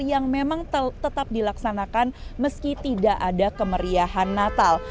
yang memang tetap dilaksanakan meski tidak ada kemeriahan natal